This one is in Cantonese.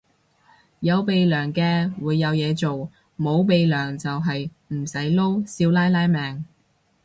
有鼻樑嘅會有嘢做，冇鼻樑就係唔使撈少奶奶命